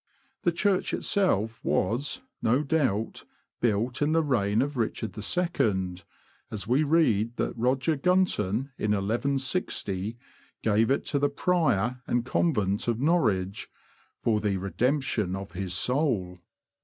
The church itself was, no doubt, built in the reign of Richard II., as we read that Roger Gunton, in 1160, gave it to the prior and convent of Norwich, '^ for the redemption of his soul."